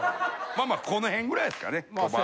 まあまあこの辺ぐらいですかね？